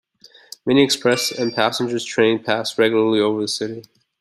Many express and passengers trains pass regularly over the city.